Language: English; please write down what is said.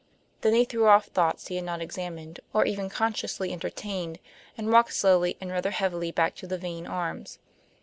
Then he threw off thoughts he had not examined, or even consciously entertained, and walked slowly and rather heavily back to the Vane Arms.